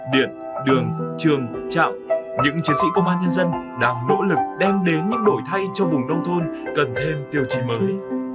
điện đường trường trạm những chiến sĩ công an nhân dân đang nỗ lực đem đến những đổi thay cho vùng nông thôn cần thêm tiêu chí mới